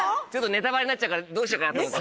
ネタバレになっちゃうからどうしようかなと思った。